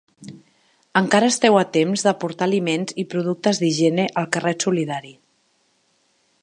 Encara esteu a temps d'aportar aliments i productes d'higiene al carret solidari.